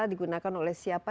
digunakan oleh siapa